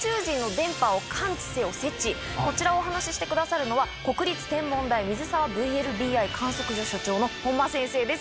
こちらをお話してくださるのは国立天文台水沢ＶＬＢＩ観測所所長の本間先生です